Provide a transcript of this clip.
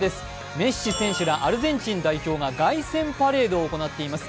メッシ選手らアルゼンチン代表が凱旋パレードを行っています。